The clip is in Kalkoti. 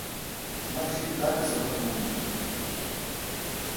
مہ شی تان سبق منون۔